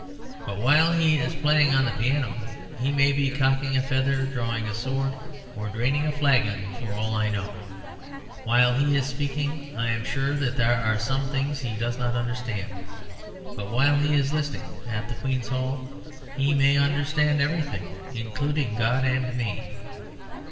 But while he is playing on the piano he may be cocking a feather, drawing a sword or draining a flagon for all I know. While he is speaking I am sure that there are some things he does not understand. But while he is listening (at the Queen's Hall) he may understand everything, including God and me.